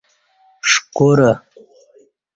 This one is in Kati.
ݜکورہ